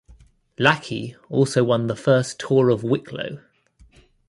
Lackey also won the first Tour of Wicklow.